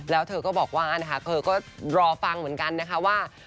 แล้วเธอก็บอกว่านะคะเธอก็รอฟังเหมือนกันนะคะว่า